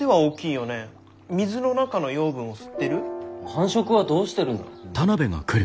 繁殖はどうしてるんだろう？